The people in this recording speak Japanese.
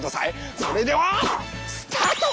それではスタート！